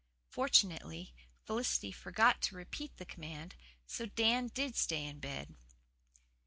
Fortunately Felicity forgot to repeat the command, so Dan did stay in bed.